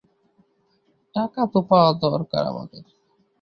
টাকা তো পাওয়া দরকার আমাদের।